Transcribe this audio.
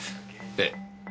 ええ。